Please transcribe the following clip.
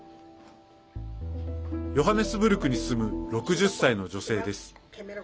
ヨハネスブルクに住む６０歳の女性です。